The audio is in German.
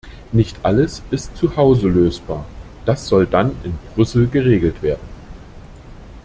Nicht alles ist zu Hause lösbar, das soll dann in Brüssel geregelt werden.